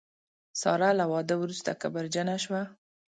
ساره له واده وروسته کبرجنه شوه.